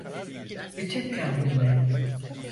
Bütün kalbimle.